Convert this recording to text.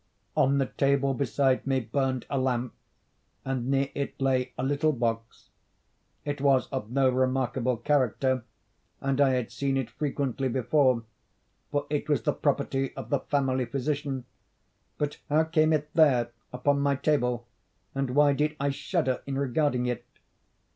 _" On the table beside me burned a lamp, and near it lay a little box. It was of no remarkable character, and I had seen it frequently before, for it was the property of the family physician; but how came it there, upon my table, and why did I shudder in regarding it?